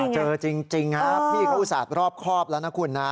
เจอจริงครับพี่เขาอุตส่าห์รอบครอบแล้วนะคุณนะ